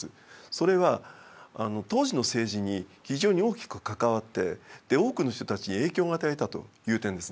それは当時の政治に非常に大きく関わって多くの人たちに影響を与えたという点ですね。